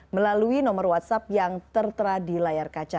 melalui nomor whatsapp yang tertera di layar kaca